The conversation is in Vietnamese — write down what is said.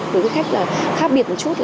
đối với khách khác biệt một chút